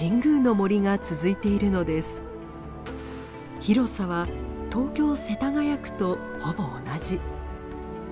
広さは東京・世田谷区とほぼ同じ。